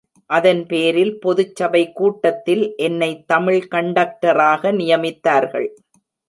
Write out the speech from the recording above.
அதன்பேரில் பொதுச் சபைக் கூட்டத்தில் என்னை தமிழ் கண்டக்டராக நியமித்தார்கள்.